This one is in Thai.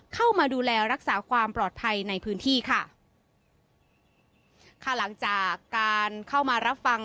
เข้ามาดูแลรักษาความปลอดภัยในพื้นที่ค่ะค่ะหลังจากการเข้ามารับฟัง